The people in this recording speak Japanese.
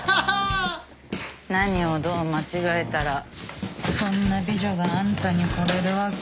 何をどう間違えたらそんな美女があんたにほれるわけ？